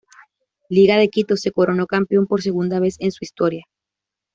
Liga de Quito se coronó campeón por segunda vez en su historia.